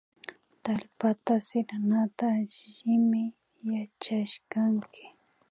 Tallpata siranata allimi yachashkanki